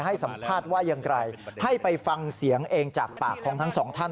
ให้สัมภาษณ์ว่าอย่างไรให้ไปฟังเสียงเองจากปากของทั้งสองท่าน